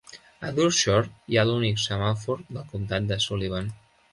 A Dushore hi ha l'únic semàfor del comtat de Sullivan.